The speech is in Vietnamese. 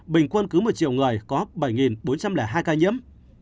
bình quân cứ một triệu người có bảy bốn trăm linh hai ca nhiễm